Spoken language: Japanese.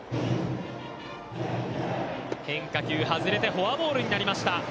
変化球外れてフォアボールになりました。